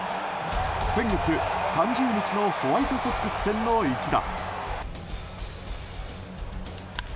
先月３０日のホワイトソックス戦の一打。